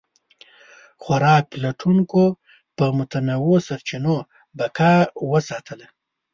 خوراک پلټونکو په متنوع سرچینو بقا وساتله.